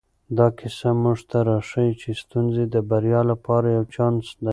دا کیسه موږ ته راښيي چې ستونزې د بریا لپاره یو چانس دی.